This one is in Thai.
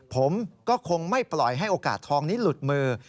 ผมก็คงไม่ปล่อยให้โอกาสทองนี้หลุดมือ